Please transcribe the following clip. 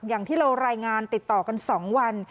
อย่างที่เรารายงานติดต่อกัน๒วัน